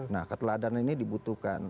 nah keteladanan ini dibutuhkan